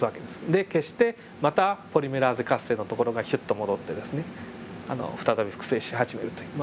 で消してまたポリメラーゼ活性のところがヒュッと戻ってですねあの再び複製し始めるという。